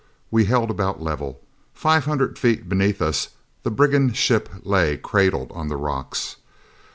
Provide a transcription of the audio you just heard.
We held about level. Five hundred feet beneath us the brigand ship lay, cradled on the rocks.